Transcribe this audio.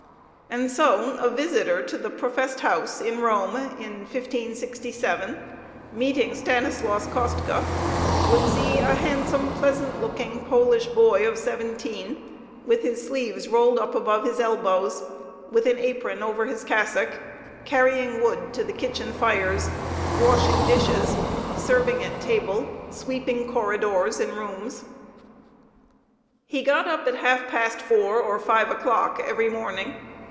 And so, a visitor to the Professed House in Rome in 1567, meeting Stanislaus Kostka, would see a handsome, pleasant looking Polish boy of seventeen, with his sleeves rolled up above his elbows, with an apron over his cassock, carrying wood for the kitchen fires, washing dishes, serving at table, sweeping corridors and rooms. He got up at half past four, or five o'clock, every morning.